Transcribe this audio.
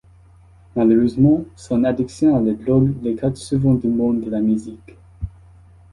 Malheureusement, son addiction à la drogue l'écarte souvent du monde de la musique.